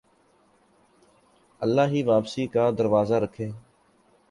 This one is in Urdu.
اللہ ہی واپسی کا دروازہ رکھے